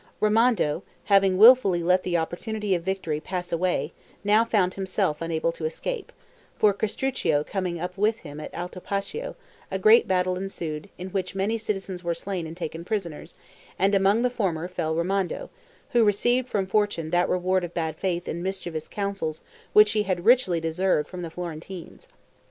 Ramondo, having willfully let the opportunity of victory pass away, now found himself unable to escape; for Castruccio coming up with him at Altopascio, a great battle ensued in which many citizens were slain and taken prisoners, and among the former fell Ramondo, who received from fortune that reward of bad faith and mischievous counsels which he had richly deserved from the Florentines.